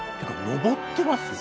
上ってますね。